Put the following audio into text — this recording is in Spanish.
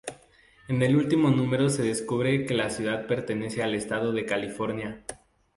En el último número se descubre que la ciudad pertenece al Estado de California.